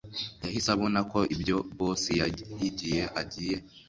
Yahise abona ko ibyo boss yahigiye agiye